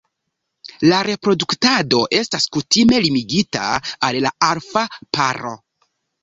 La reproduktado estas kutime limigita al la alfa paro.